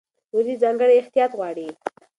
وریجې ځانګړی احتیاط غواړي.